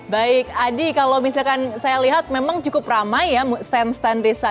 baik adi kalau misalkan saya lihat memang cukup keras